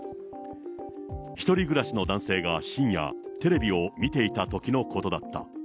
１人暮らしの男性が深夜、テレビを見ていたときのことだった。